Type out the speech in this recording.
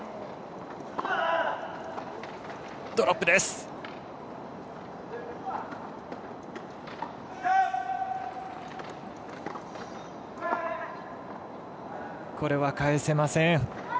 これは返せません。